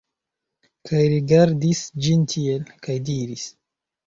Kaj rigardis ĝin tiel, kaj diris: